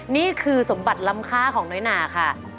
นี่คือสมบัติล้ำค่าของน้อยหนาค่ะ